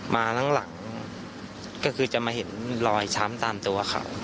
มาทั้งหลังก็คือจะมาเห็นรอยช้ำตามตัวเขา